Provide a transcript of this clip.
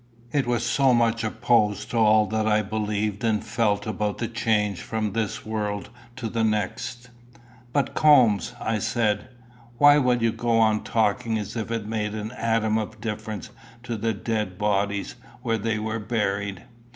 It was so much opposed to all that I believed and felt about the change from this world to the next! "But, Coombes," I said, "why will you go on talking as if it made an atom of difference to the dead bodies where they were buried?